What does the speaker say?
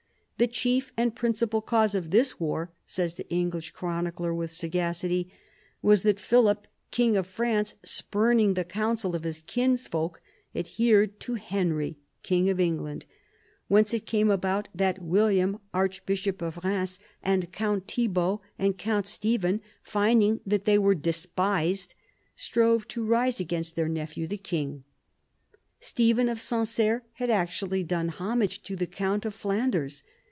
"The chief and principal cause of this war," says the English chronicler, with sagacity, " was that Philip, king of France, spurning the counsel of his kinsfolk, adhered to Henry, king of England; whence it came about that William, archbishop of Bheims, and Count Thibault and Count Stephen, finding that they were despised, strove to rise against their nephew, the king." Stephen of Sancerre had actually done homage to the count of Flanders.